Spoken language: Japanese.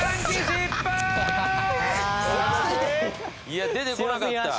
いや出てこなかった。